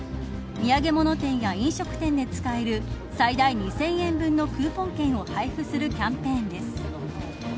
土産物店や飲食店で使える最大２０００円分のクーポン券を配布するキャンペーンです。